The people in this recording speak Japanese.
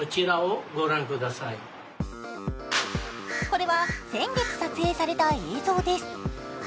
これは先月撮影された映像です。